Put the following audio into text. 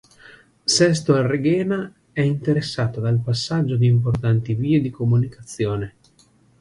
Sesto al Reghena è interessata dal passaggio di importanti vie di comunicazione.